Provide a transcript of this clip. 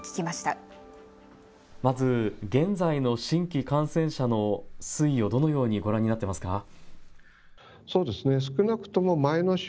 まず、現在の新規感染者の推移をどのようにご覧になっていますか。